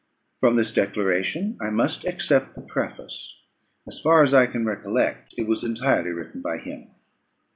From this declaration I must except the preface. As far as I can recollect, it was entirely written by him.